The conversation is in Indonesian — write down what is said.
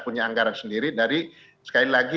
punya anggaran sendiri dari sekali lagi